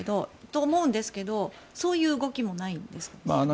そう思うんですけどそういう動きもないんですか。